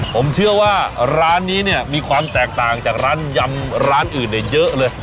ผมเชื่อว่าร้านนี้เนี่ยมีความแตกต่างจากร้านยำร้านอื่นเยอะเลย